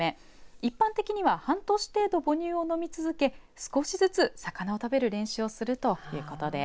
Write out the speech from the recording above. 一般的には半年程度、母乳を飲み続け少しずつ魚を食べる練習をするということです。